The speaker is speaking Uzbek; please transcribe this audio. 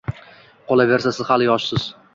Qolaversa, siz hali yoshsiz.